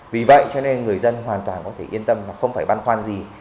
vì vậy cho nên người dân hoàn toàn có thể yên tâm và không phải băn khoăn gì